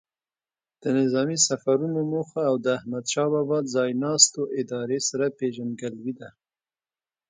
د نظامي سفرونو موخو او د احمدشاه بابا ځای ناستو ادارې سره پیژندګلوي ده.